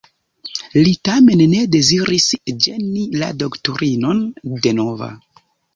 Li tamen ne deziris ĝeni doktorinon Donova.